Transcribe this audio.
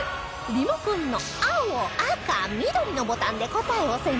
リモコンの青赤緑のボタンで答えを選択